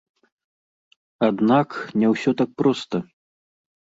Аднак, не ўсё так проста.